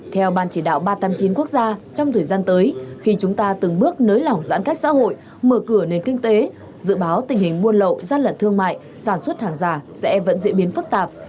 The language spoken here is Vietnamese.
trong thời gian tới khi chúng ta từng bước nới lỏng giãn cách xã hội mở cửa nền kinh tế dự báo tình hình mua lậu gian lận thương mại sản xuất hàng giả sẽ vẫn diễn biến phức tạp